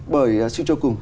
bởi suy cho cùng